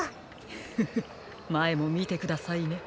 フフフまえもみてくださいね。